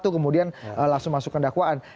kemudian langsung masukkan dakwaan